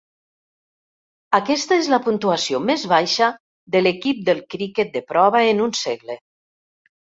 Aquesta és la puntuació més baixa de l'equip del criquet de prova en un segle.